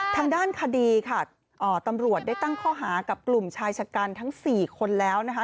ทางด้านคดีค่ะตำรวจได้ตั้งข้อหากับกลุ่มชายชะกันทั้ง๔คนแล้วนะคะ